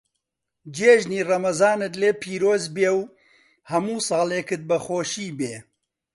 جێژنی ڕەمەزانت لێ پیرۆز بێ و هەموو ساڵێکت بە خۆشی بێ.